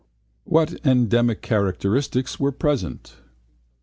What endemic characteristics were present?